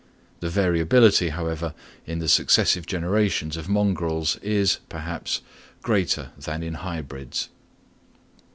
The variability, however, in the successive generations of mongrels is, perhaps, greater than in hybrids.